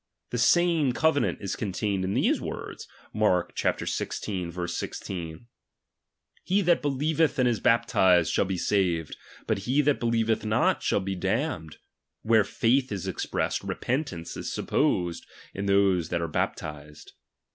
The same covenant is contained in these words (Mark xvi. 16) : He that believeth and is baptised, shall be saved ; but he that believeth not, sludl be damned: where faith is expressed, r(?/)ew/aMCf is supposed in those that are baptized.